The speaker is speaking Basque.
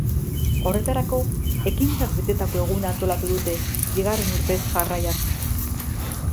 Horretarako, ekintzaz betetako eguna antolatu dute, bigarren urtez jarraian.